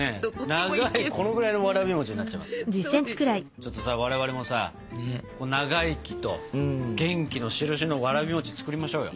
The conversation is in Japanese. ちょっとさ我々もさ長生きと元気のしるしのわらび餅作りましょうよ。